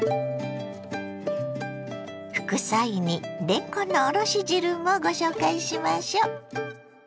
副菜にれんこんのおろし汁もご紹介しましょ。